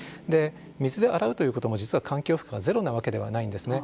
水で洗うということも実は環境負荷がゼロなわけではないんですね。